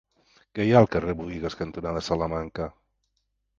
Què hi ha al carrer Buïgas cantonada Salamanca?